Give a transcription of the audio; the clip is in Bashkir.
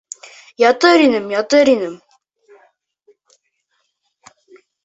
Ятыр инем, ятыр инем...